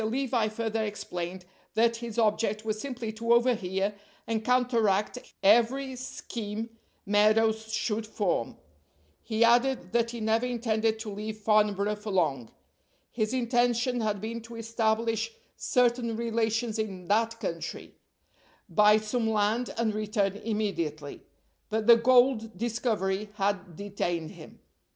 Levi further explained that his object was simply to overhear and counteract every scheme Meadows should form. He added that he never intended to leave Farnborough for long. His intention had been to establish certain relations in that country, buy some land, and return immediately; but the gold discovery had detained him.